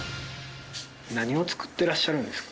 何を造ってらっしゃるんですか？